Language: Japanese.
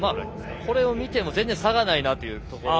これを見ても全然差がないなという。